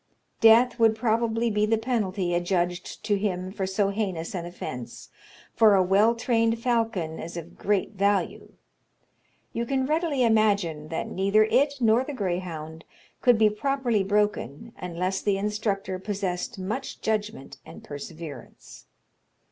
Death would probably be the penalty adjudged to him for so heinous an offence; for a well trained falcon is of great value. You can readily imagine that neither it nor the greyhound could be properly broken unless the instructor possessed much judgment and perseverance.